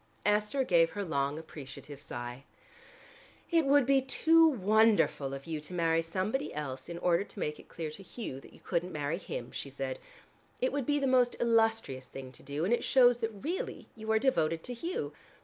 Esther gave her long, appreciative sigh. "It would be too wonderful of you to marry somebody else, in order to make it clear to Hugh that you couldn't marry him," she said. "It would be the most illustrious thing to do and it shows that really you are devoted to Hugh.